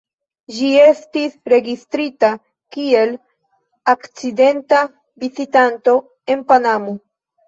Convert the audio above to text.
Ĝi estis registrita kiel akcidenta vizitanto en Panamo.